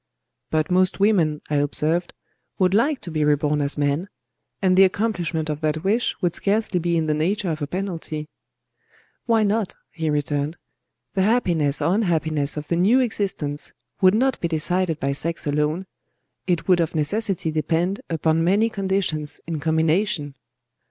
"But most women," I observed, "would like to be reborn as men; and the accomplishment of that wish would scarcely be in the nature of a penalty." "Why not?" he returned. "The happiness or unhappiness of the new existence would not be decided by sex alone: it would of necessity depend upon many conditions in combination."